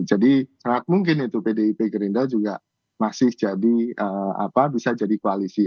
jadi sangat mungkin itu pdip gerindra juga masih bisa jadi koalisi